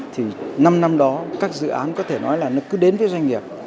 thì năm năm đó các dự án có thể nói là nó cứ đến với doanh nghiệp